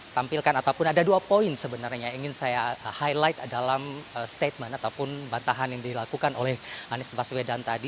tampilkan ataupun ada dua poin sebenarnya yang ingin saya highlight dalam statement ataupun bantahan yang dilakukan oleh anies baswedan tadi